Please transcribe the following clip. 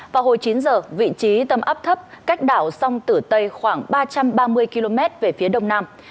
vào hồi chín giờ vị trí tâm áp thấp cách đảo sông tử tây khoảng ba trăm ba mươi km về phía đông nam